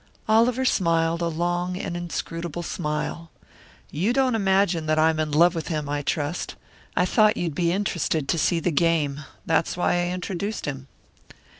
Oliver smiled a long and inscrutable smile. "You don't imagine that I'm in love with him, I trust. I thought you'd be interested to see the game, that's why I introduced him."